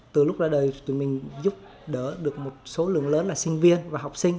từ lúc ra đời tụi mình giúp đỡ được một số lượng lớn là sinh viên và học sinh